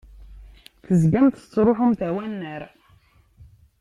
Tezgamt tettṛuḥumt ar wannar.